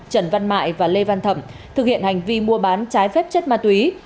trần văn mại và lê văn thẩm thực hiện hành vi mua bán trái phép chất ma túy